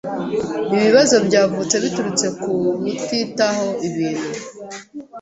Ibi bibazo byavutse biturutse kubutitaho ibintu.